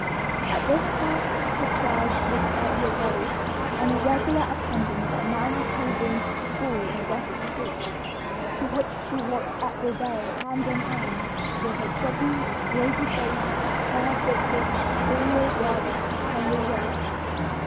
At this time the child was five years old, and a regular attendant at "Ma'am Kilbourne's" school on West Street, to which she walked every day hand in hand with her chubby, rosy faced, bare footed, four year old brother, Henry Ward.